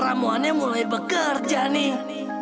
ramuannya mulai bekerja nih